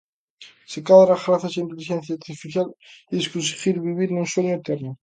Se cadra grazas á intelixencia artificial ides conseguir vivir nun soño eterno